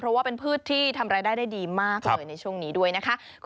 เพราะว่าเป็นพืชที่ทำรายได้ได้ดีมากเลยในช่วงนี้ด้วยนะคะ